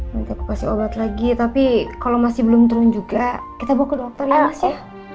nanti aku kasih obat lagi tapi kalau masih belum turun juga kita bawa ke dokter ya mas ya